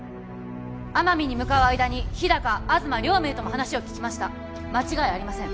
奄美に向かう間に日高東両名とも話を聞きました間違いありません